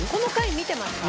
「見てました。